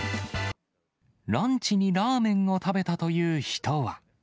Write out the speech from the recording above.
ランチにラーメンを食べたという人は。